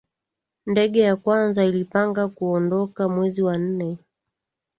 ndege ya kwanza ilipanga kuondoka mwezi wa nne